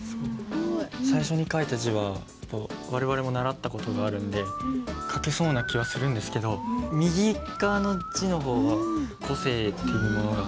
最初に書いた字は我々も習った事があるんで書けそうな気はするんですけど右側の字の方は個性っていうものが。